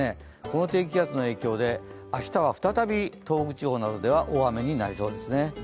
この低気圧の影響で明日は再び東北地方などでは大雨になりそうですね。